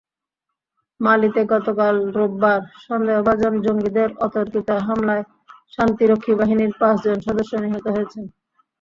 মালিতে গতকাল রোববার সন্দেহভাজন জঙ্গিদের অতর্কিত হামলায় শান্তিরক্ষী বাহিনীর পাঁচজন সদস্য নিহত হয়েছেন।